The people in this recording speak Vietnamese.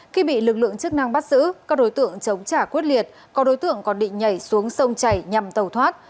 khi bị lực lượng chức năng bắt giữ các đối tượng chống trả quyết liệt có đối tượng còn bị nhảy xuống sông chảy nhằm tàu thoát